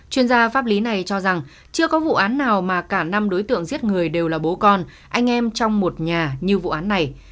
chuyên gia pháp lý này cho rằng chưa có vụ án nào mà cả năm đối tượng giết người đều là bố con anh em trong một nhà như vụ án này